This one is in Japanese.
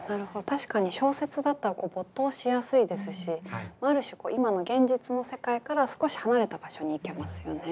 確かに小説だったら没頭しやすいですしある種今の現実の世界から少し離れた場所に行けますよね。